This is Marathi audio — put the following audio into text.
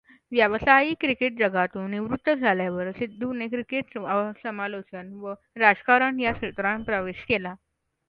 व्यावसायिक क्रिकेटजगतातून निवृत्त झाल्यावर सिद्धूने क्रिकेट समालोचन व राजकारण या क्षेत्रांत प्रवेश केला.